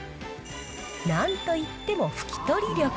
なんといっても拭き取り力。